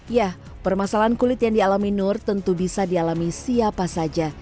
ya permasalahan kulit yang dialami nur tentu bisa dialami siapa saja